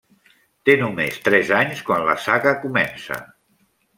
Té només tres anys quan la saga comença.